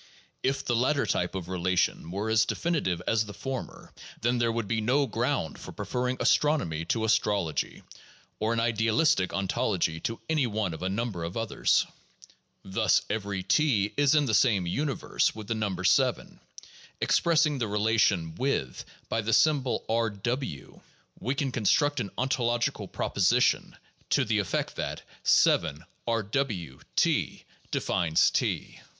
If the latter type of relation were as definitive as the former, then there would be no ground for prefer ring astronomy to astrology, or an idealistic ontology to any one of a number of others. Thus, every T is in the same universe with the number 7. Expressing the relation "with" by the symbol R w , we can construct an ontologieal proposition to the effect that, (7)R W (T) PSYCHOLOGY AND SCIENTIFIC METHODS 7 defines (T).